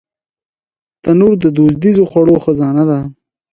تنور د دودیزو خوړو خزانه ده